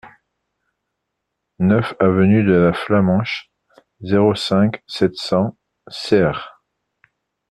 neuf avenue de la Flamenche, zéro cinq, sept cents Serres